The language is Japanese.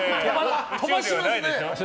飛ばしますね。